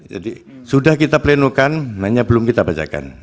jadi sudah kita plenokan nanya belum kita bacakan